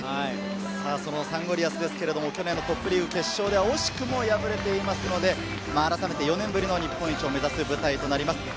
サンゴリアスは去年のトップリーグ決勝では惜しくも敗れていますので、４年ぶりの日本一を目指す舞台となります。